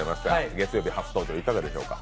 月曜日は初登場、いかがですか？